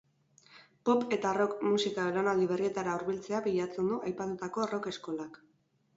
Pop eta rock musika belaunaldi berrietara hurbiltzea bilatzen du aipatutako rock eskolak.